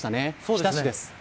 日田市です。